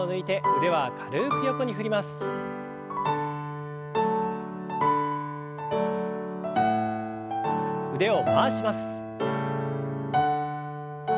腕を回します。